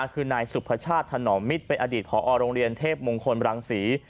คือนายสุพชาติถนอมมิตรเป็นอดีตพอโรงเรียนเทพมงคลรังศรี